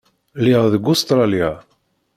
Lliɣ deg Ustṛalya.